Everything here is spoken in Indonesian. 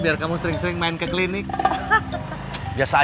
tidak ada yang lebih baik dari diri kita